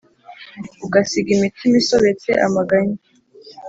Ugasiga imitima isobetse amaganya?